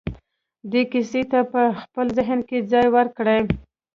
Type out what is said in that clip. دې کيسې ته په خپل ذهن کې ځای ورکړئ.